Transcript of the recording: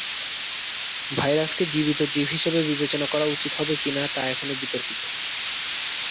ভাইরাসকে জীবিত জীব হিসাবে বিবেচনা করা উচিত হবে কিনা তা এখনও বিতর্কিত।